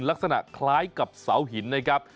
ลักษณะคล้ายกับเสาหินนะครับ